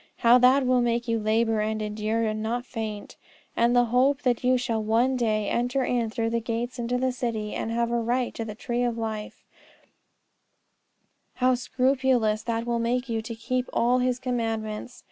how that will make you labour and endure and not faint! And the hope that you shall one day enter in through the gates into the city, and have a right to the tree of life, how scrupulous that will make you to keep all His commandments!